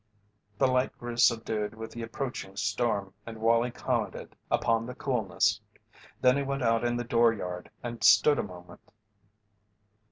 The light grew subdued with the approaching storm and Wallie commented upon the coolness. Then he went out in the dooryard and stood a moment.